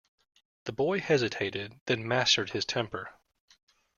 The boy hesitated, then mastered his temper.